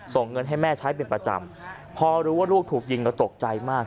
ส่งเงินให้แม่ใช้เป็นประจำพอรู้ว่าลูกถูกยิงก็ตกใจมาก